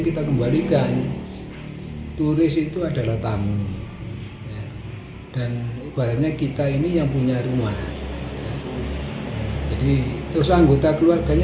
kita belum masih melakukan